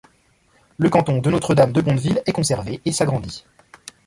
Le canton de Notre-Dame-de-Bondeville est conservé et s'agrandit.